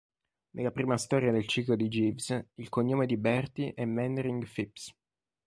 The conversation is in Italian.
Nella prima storia del ciclo di Jeeves, il cognome di Bertie è Mannering-Phipps.